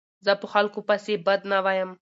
زه په خلکو پيسي بد نه وایم.